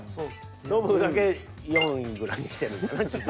ノブだけ４位ぐらいにしてるんやな自分。